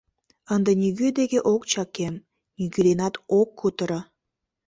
Ынде нигӧ деке ок чакем, нигӧ денат ок кутыро.